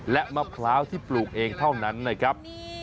และมะพร้าวที่ปลูกเองเท่านั้นนะครับ